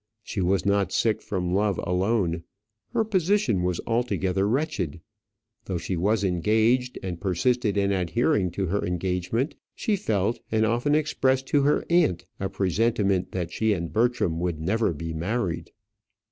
She was not sick from love alone; her position was altogether wretched though she was engaged, and persisted in adhering to her engagement, she felt and often expressed to her aunt a presentiment that she and Bertram would never be married.